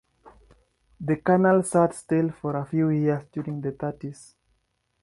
The canal sat still for a few years during the thirties.